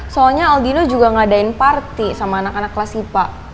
soalnya aldino juga ngadain party sama anak anak kelas sipa